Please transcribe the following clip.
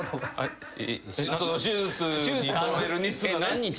その手術にとれる日数が何日？